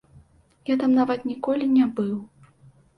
Я там нават ніколі не быў.